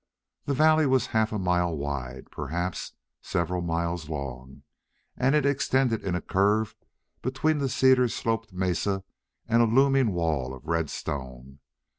The valley was half a mile wide, perhaps several miles long, and it extended in a curve between the cedar sloped mesa and a looming wall of red stone.